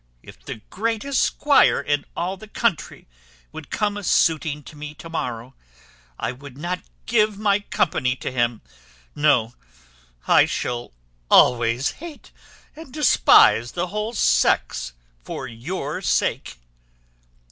If the greatest squire in all the country would come a suiting to me to morrow, I would not give my company to him. No, I shall always hate and despise the whole sex for your sake."